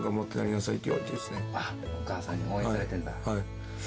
お母さんに応援されてるんだ。